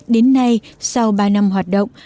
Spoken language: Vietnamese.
đến nay sau ba năm hoạt động